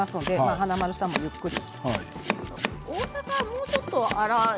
華丸さんもゆっくり。